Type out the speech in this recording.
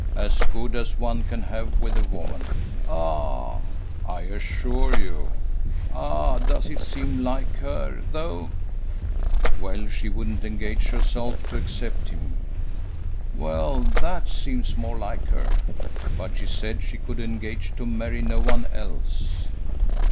"As good as one can have with a woman." "Ah?" "I assure you." "Ah! Does it seem like her, though?" "Well, she wouldn't engage herself to accept him." "Well, that seems more like her." "But she said she could engage to marry no one else."